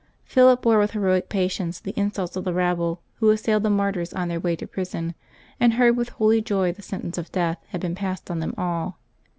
Philip bore with heroic patience the insults of the rabble who assailed the martyrs on their way to prison, and heard with holy joy that sentence of death had been passed on them all.